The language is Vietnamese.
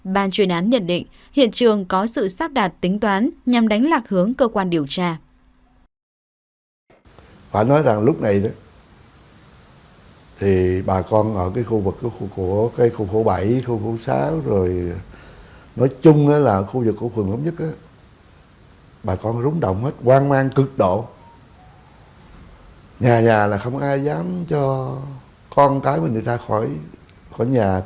ban chuyên án nhận định hiện trường có sự sát đạt tính toán nhằm đánh lạc hướng cơ quan điều tra khẩn trương vào cuộc mới quyết tâm phải phá bằng được vụ án trong thời gian sớm nhất